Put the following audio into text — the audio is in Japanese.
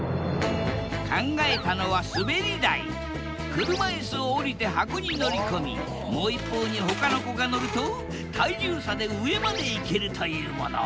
車いすを降りて箱に乗り込みもう一方にほかの子が乗ると体重差で上まで行けるというもの。